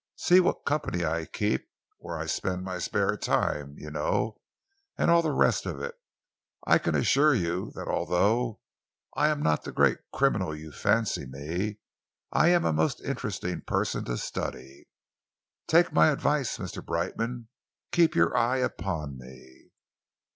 See what company I keep, where I spend my spare time you know and all the rest of it. I can assure you that although I am not the great criminal you fancy me, I am a most interesting person to study. Take my advice, Mr. Brightman. Keep your eye upon me."